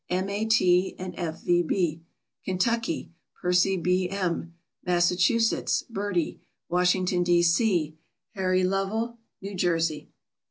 M. A. T. and F. V. B., Kentucky; Percy B. M., Massachusetts; Bertie, Washington, D. C.; Harry Lovell, New Jersey.